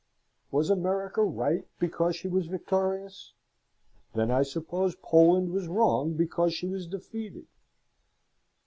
Was America right because she was victorious? Then I suppose Poland was wrong because she was defeated?